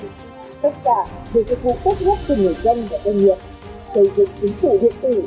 tất cả được thực hụt tốt nhất cho người dân và doanh nghiệp